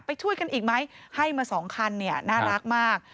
ไปช่วยกันอีกไหมให้มาสองคันเนี่ยน่ารักมาก